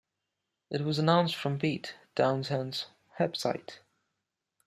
It was announced from Pete Townshend's website.